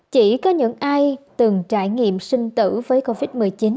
chỉ có những ai từng trải nghiệm sinh tử với covid một mươi chín